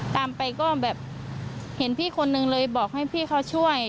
ตามไปก็แบบเห็นพี่คนนึงเลยบอกให้พี่เขาช่วย